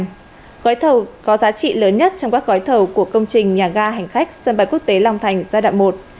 gói thầu có giá trị lớn nhất trong các gói thầu của công trình nhà ga hành khách sân bay quốc tế long thành giai đoạn một